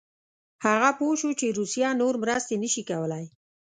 هغه پوه شو چې روسیه نور مرستې نه شي کولای.